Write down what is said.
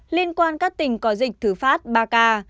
liên quan các tỉnh có dịch thứ phát ba k